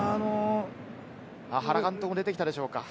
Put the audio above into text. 原監督も出て来たでしょうか。